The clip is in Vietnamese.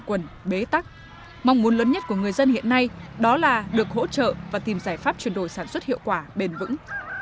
quầy tắc mong muốn lớn nhất của người dân hiện nay đó là được hỗ trợ và tìm giải pháp chuyển đổi sản xuất hiệu quả bền vững